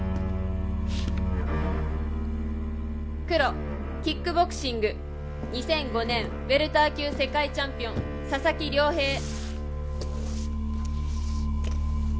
黒キックボクシング２００５年ウェルター級世界チャンピオン佐々木涼平。